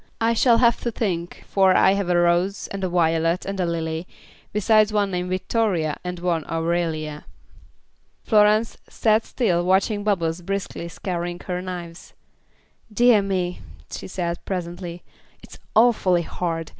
"I shall have to think, for I've had a Rose and a Violet and a Lily, besides one named Victoria, and one Aurelia." Florence sat still watching Bubbles briskly scouring her knives. "Dear me," she said, presently, "it's awfully hard.